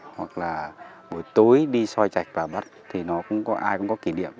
hoặc là buổi tối đi soi chạch và bắt thì ai cũng có kỷ niệm